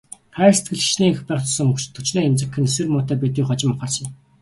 Хайр сэтгэл хэчнээн их байх тусам төчнөөн эмзэгхэн, тэсвэр муутай байдгийг хожим ухаарсан юм.